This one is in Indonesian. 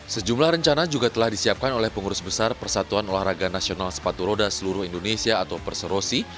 sejumlah rencana juga telah disiapkan oleh pengurus besar persatuan olahraga nasional sepatu roda seluruh indonesia atau perserosi